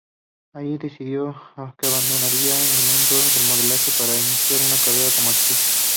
Allí decidió que abandonaría el mundo del modelaje para iniciar una carrera como actriz.